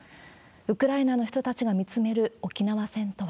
ウクライナの人たちが見つめる沖縄戦とは。